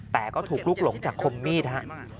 แต่ก็ถูกลุกหลงจากคมมีดฮะ